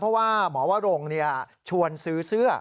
เพราะว่าหมอวรงชวนซื้อเสื้อ